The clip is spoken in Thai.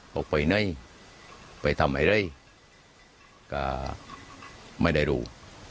ออกไปไหนไปทำอะไรก็ไม่ได้รู้